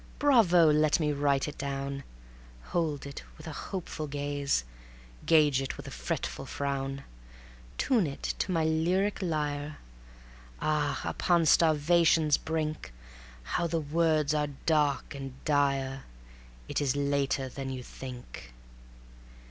Bravo! let me write it down; Hold it with a hopeful gaze, Gauge it with a fretful frown; Tune it to my lyric lyre ... Ah! upon starvation's brink, How the words are dark and dire: It is later than you think.